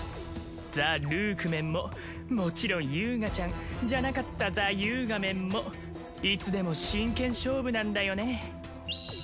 ザ・ルークメンももちろん遊我ちゃんじゃなかったザ・ユーガメンもいつでも真剣勝負なんだよね。